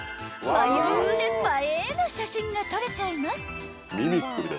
［まいうーで映えーな写真が撮れちゃいます］